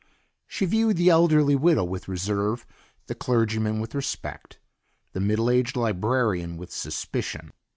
She viewed the elderly widow with reserve, the clergyman with respect, the middle aged librarian with suspicion.